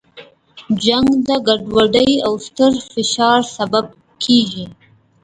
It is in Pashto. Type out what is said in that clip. جنګ د ګډوډۍ او ستر فشار سبب کیږي.